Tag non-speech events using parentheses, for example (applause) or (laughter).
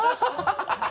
ハハハ (laughs)